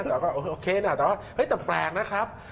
แต่ก็โอเคนะแต่ว่าแต่แปลกนะครับ